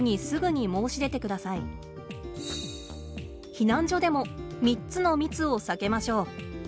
避難所でも３つの密を避けましょう。